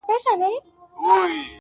هغه به راسې; جارو کړې ده بیمار کوڅه,